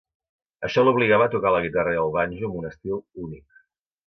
Això l'obligava a tocar la guitarra i el banjo amb un estil únic.